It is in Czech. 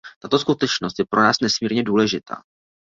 Tato skutečnost je pro nás nesmírně důležitá.